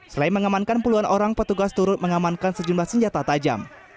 selain mengamankan puluhan orang petugas turut mengamankan sejumlah senjata tajam